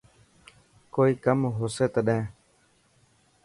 ڪوئي ڪم هو سي تٽهن.